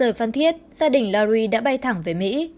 rời phan thiết gia đình larry đã bay thẳng về mỹ